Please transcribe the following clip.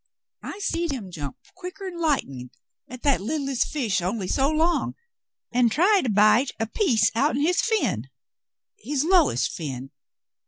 I seed him jump quicker'n Hghtnin' at that leetHst fish only so long, an' try to bite a piece outen his fin — his lowest fin.